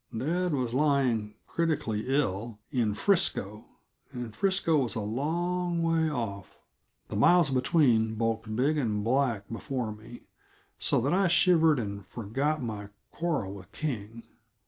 Dad was lying "critically ill" in Frisco and Frisco was a long way off! The miles between bulked big and black before me, so that I shivered and forgot my quarrel with King.